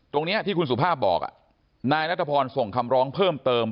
ตรงนี้ที่คุณสุภาพบอกนายนัทพรส่งคำร้องเพิ่มเติม